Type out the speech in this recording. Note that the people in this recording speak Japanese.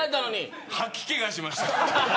吐き気がしました。